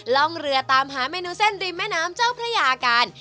ล่องเรือตามหาเมนูเส้นริมแม่น้ำเจ้าพระยากัน